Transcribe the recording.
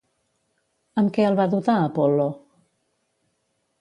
Amb què el va dotar Apol·lo?